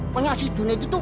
punya si junet itu